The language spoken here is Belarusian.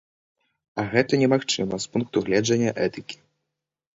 А гэта немагчыма з пункту гледжання этыкі.